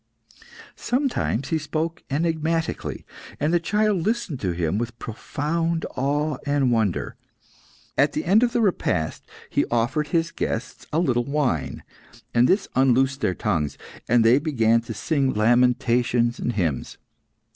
Sometimes he spoke enigmatically, and the child listened to him with profound awe and wonder. At the end of the repast he offered his guests a little wine, and this unloosed their tongues, and they began to sing lamentations and hymns.